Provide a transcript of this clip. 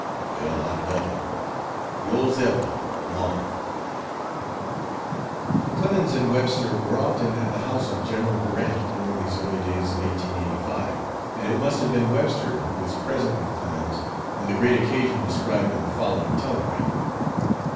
Well, I've done it. Ys Ever MARK. Clemens and Webster were often at the house of General Grant during these early days of 1885, and it must have been Webster who was present with Clemens on the great occasion described in the following telegram.